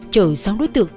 chở sang đối tượng